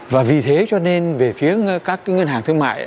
và vì thế cho nên về phía các cái ngân hàng thương mại